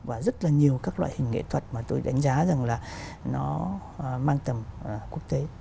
và rất nhiều các loại hình nghệ thuật mà tôi đánh giá là nó mang tầm quốc tế